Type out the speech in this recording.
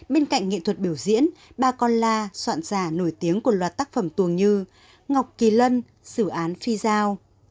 bên cạnh nghệ thuật biểu diễn ba con la soạn giả nổi tiếng của loạt tác phẩm tường như ngọc kỳ lân sự án phi giao